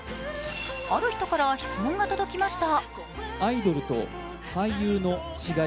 ある人から質問が届きました。